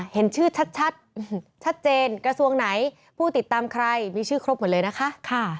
เห็นชื่อชัดชัดเจนกระทรวงไหนผู้ติดตามใครมีชื่อครบหมดเลยนะคะ